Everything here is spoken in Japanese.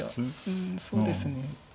うんそうですね。